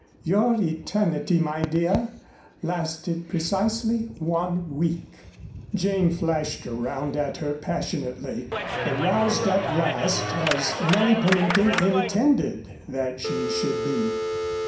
Your eternity, my dear, lasted precisely one week." Jane flashed around at her passionately, aroused at last, as Nellie Pennington intended that she should be.